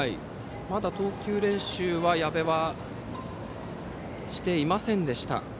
まだ投球練習は矢部はしていません。